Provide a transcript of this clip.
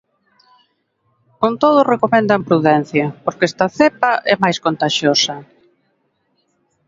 Con todo, recomendan prudencia porque esta cepa é máis contaxiosa.